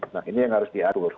nah ini yang harus diatur